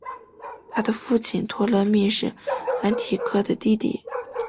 他的父亲托勒密是安提柯的弟弟。